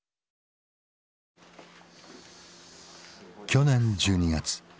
去年１２月。